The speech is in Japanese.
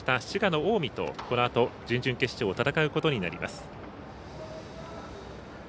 滋賀の近江とこのあと準々決勝を戦うことになります。